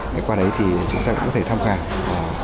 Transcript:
ngay qua đấy thì chúng ta cũng có thể tham khảo